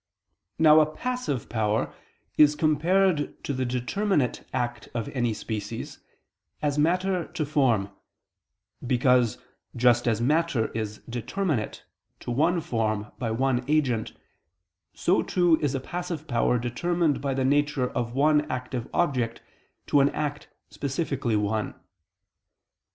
Now a passive power is compared to the determinate act of any species, as matter to form: because, just as matter is determinate to one form by one agent, so, too, is a passive power determined by the nature of one active object to an act specifically one.